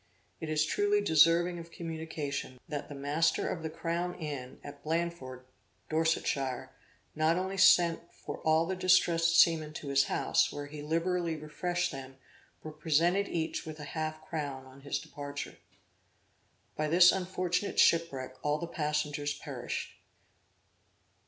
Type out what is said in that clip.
It is truly deserving of communication, that the master of the Crown Inn at Blandford, Dorsetshire, not only sent for all the distressed seamen to his house, where he liberally refreshed them, but presented each with half a crown on his departure. By this unfortunate shipwreck, all the passengers perished.